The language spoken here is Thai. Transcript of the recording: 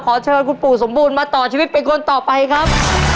ขอเชิญคุณปู่สมบูรณ์มาต่อชีวิตเป็นคนต่อไปครับ